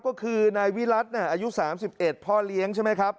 ก็คือนายวิรัติอายุ๓๑พ่อเลี้ยงใช่ไหมครับ